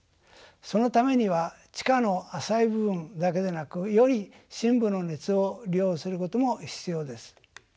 そのためには地下の浅い部分だけでなくより深部の熱を利用することも必要です。